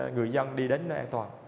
người dân đi đến nó an toàn